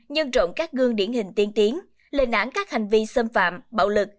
nhân rộng các gương điển hình tiên tiến lên án các hành vi xâm phạm bạo lực